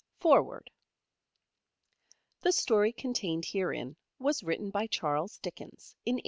FOREWORD The story contained herein was written by Charles Dickens in 1867.